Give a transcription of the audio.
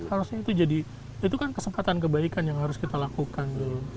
harusnya itu jadi itu kan kesempatan kebaikan yang harus kita lakukan